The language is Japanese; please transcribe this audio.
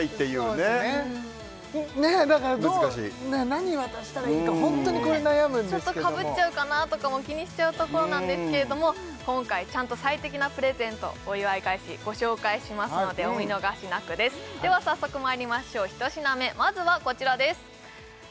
ねっだからどう難しい何渡したらいいかホントにこれ悩むんですけどもちょっとかぶっちゃうかなとかも気にしちゃうところなんですけど今回ちゃんと最適なプレゼントお祝い返しご紹介しますのでお見逃しなくですでは早速まいりましょう１品目まずはこちらです